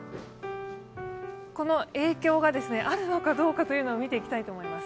この影響があるのかどうかというのを見ていきたいと思います。